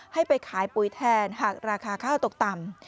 ให้ไปขายปุ๋ยแทนหากราคาข้าวตกต่ำ